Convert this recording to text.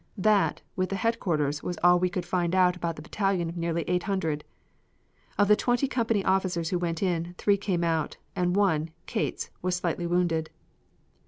That, with the headquarters, was all we could find out about the battalion of nearly 800. Of the twenty company officers who went in, three came out, and one, Cates, was slightly wounded.